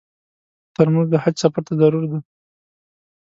ترموز د حج سفر ته ضرور دی.